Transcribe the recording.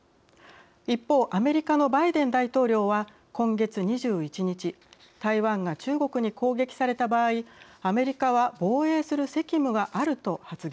一方アメリカのバイデン大統領は今月２１日台湾が中国に攻撃された場合アメリカは防衛する責務があると発言。